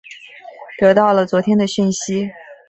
得到了昨天的讯息